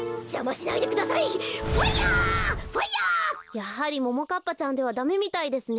やはりももかっぱちゃんではダメみたいですね。